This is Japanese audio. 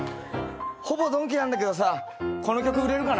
ほぼドンキなんだけどさこの曲売れるかな？